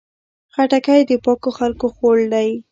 خټکی د پاکو خلکو خوړ دی.